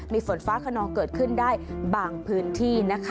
มีฝนฟ้าขนองเกิดขึ้นได้บางพื้นที่นะคะ